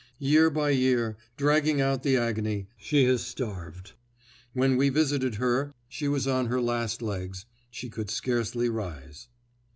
Year by year, dragging out the agony, she has starved. When we visited her she was on her last legs—she could scarcely rise.